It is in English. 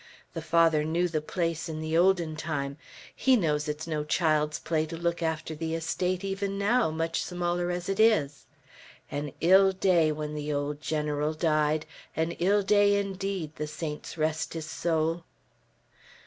The Father knew the place in the olden time. He knows it's no child's play to look after the estate even now, much smaller as it is! An ill day when the old General died, an ill day indeed, the saints rest his soul!"